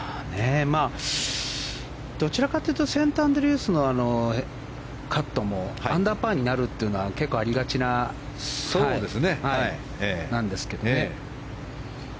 どちらかというとセントアンドリュースのカットもアンダーパーになるというのは結構、ありがちなんですけどね。